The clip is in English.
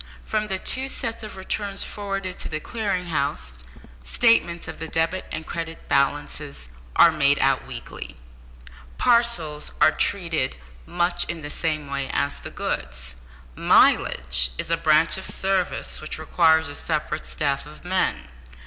From the two sets of returns forwarded to the Clearing House, statements of the debit and credit balances are made out weekly. Parcels are treated much in the same way as the goods. "Mileage" is a branch of the service which requires a separate staff of men.